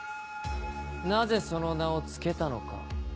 なぜその名を付けたのか。